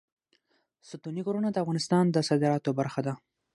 ستوني غرونه د افغانستان د صادراتو برخه ده.